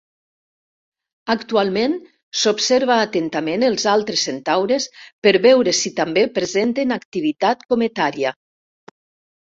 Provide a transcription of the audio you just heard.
Actualment, s'observa atentament els altres centaures per veure si també presenten activitat cometària.